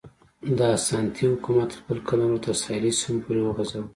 د اسانتي حکومت خپل قلمرو تر ساحلي سیمو پورې وغځاوه.